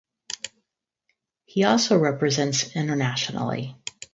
He also represents internationally.